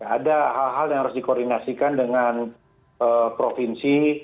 ada hal hal yang harus dikoordinasikan dengan provinsi